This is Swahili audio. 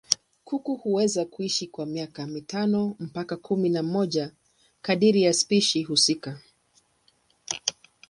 Kuku huweza kuishi kwa miaka mitano mpaka kumi na moja kadiri ya spishi husika.